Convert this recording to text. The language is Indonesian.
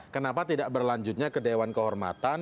kenapa tidak berlanjutnya ke dewan kehormatan